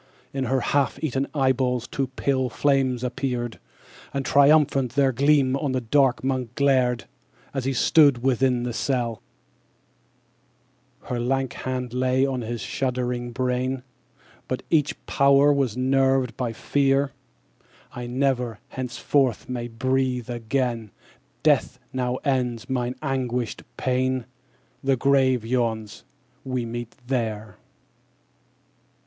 In her half eaten eyeballs two pale flames appeared, And triumphant their gleam on the dark Monk glared, As he stood within the cell. _90 17. And her lank hand lay on his shuddering brain; But each power was nerved by fear. 'I never, henceforth, may breathe again; Death now ends mine anguished pain. The grave yawns, we meet there.'